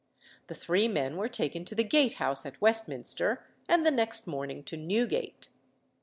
The three men were taken to the Gate House at Westminster, and the next morning to Newgate.